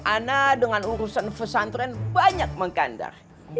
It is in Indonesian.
ana dengan urusan pesantren banyak mengkandar